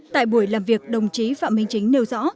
tại buổi làm việc đồng chí phạm minh chính nêu rõ